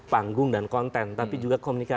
handikator ya panggung dan konten tapi juga komunikasi mas